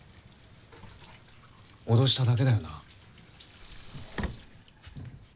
脅しただけだよな？